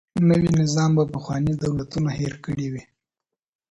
نوی نظام به پخواني دولتونه هیر کړي وي.